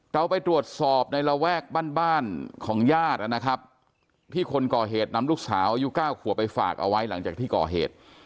เราไปตรวจสอบในระแวกบ้านบ้านของญาตินะครับที่คนก่อเหตุนำลูกสาวอายุ๙ขัวไปฝากเอาไว้หลังจากที่ก่อเหตุ